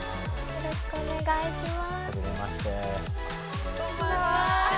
よろしくお願いします。